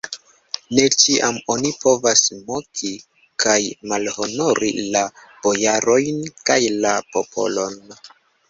Ne ĉiam oni povas moki kaj malhonori la bojarojn kaj la popolon!